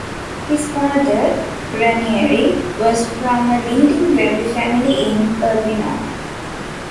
His father, Ranieri, was from a leading wealthy family in Urbino.